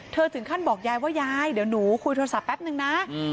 ถึงขั้นบอกยายว่ายายเดี๋ยวหนูคุยโทรศัพท์แป๊บนึงนะ